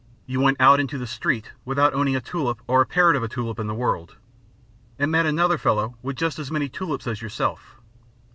You went out into "the street" without owning a tulip or a perit of a tulip in the world, and met another fellow with just as many tulips as yourself.